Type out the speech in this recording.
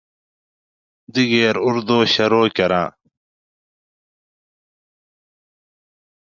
دِگیر اُردو شورو کۤراۤں